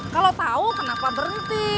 kalau tahu kenapa berhenti